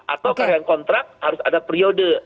atau varian kontrak harus ada periode